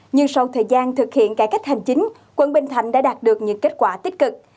nhưng sau thời gian thực hiện cải cách hành chính quận bình thạnh đã đạt được những kết quả tích cực